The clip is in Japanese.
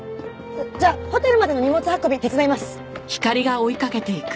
じゃあホテルまでの荷物運び手伝います。